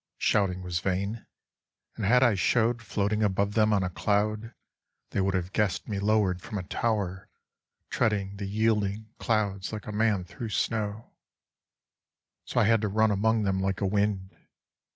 Shouting was vain, and had I showed Floating above them on a cloud They would have guessed me lowered from a tower Treading the yielding clouds like a man through snow So I had to run among them like a wind.